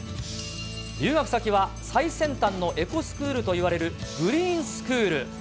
留学先は最先端のエコスクールといわれるグリーンスクール。